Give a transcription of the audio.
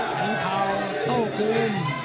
แข้งเขาโตคลีน